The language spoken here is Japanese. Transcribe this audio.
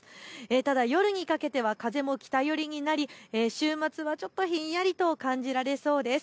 ただ夜にかけては風も北寄りになり週末はちょっとひんやりと感じられそうです。